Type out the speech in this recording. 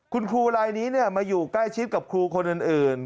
คุณครูลายนี้มาอยู่ใกล้ชิดกับครูคนอื่น